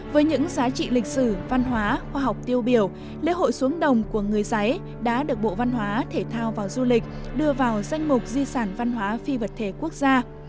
với những giá trị lịch sử văn hóa khoa học tiêu biểu lễ hội xuống đồng của người giấy đã được bộ văn hóa thể thao và du lịch đưa vào danh mục di sản văn hóa phi vật thể quốc gia